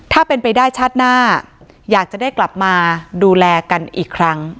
ถ้าเป็นไปได้ชาติหน้าอยากจะได้กลับมาดูแลกันอีกครั้ง